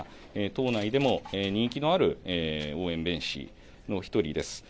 党内でも人気のある応援弁士の１人です。